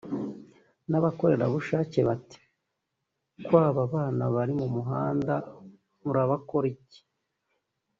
n’abakorera bushake bati ko ‘aba bana bari mu muhanda murakora iki